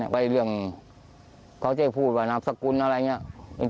เรื่องเขาจะพูดว่านามสกุลอะไรอย่างนี้